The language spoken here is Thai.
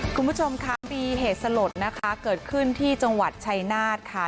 คุณผู้ชมคะปีแห่งสลดก็เกิดขึ้นที่จังหวัดชัยนาศ์ค่ะ